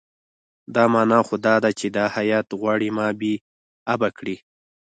دا معنی خو دا ده چې دا هیات غواړي ما بې آبه کړي.